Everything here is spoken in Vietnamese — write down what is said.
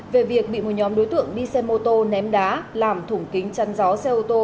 về việc bị một nhóm đối tượng đi xe mô tô ném đá làm thủng kính chăn gió xe ô tô